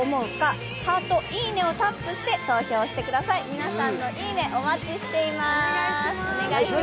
皆さんの「いいね」お待ちしています。